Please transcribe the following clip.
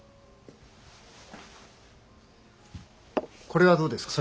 これはどうですか？